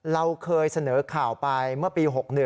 เราเคยเสนอข่าวไปเมื่อปี๖๑